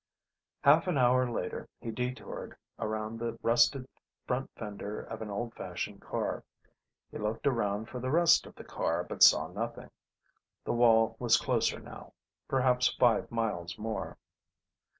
Half an hour later he detoured around the rusted front fender of an old fashioned car. He looked around for the rest of the car but saw nothing. The wall was closer now; perhaps five miles more.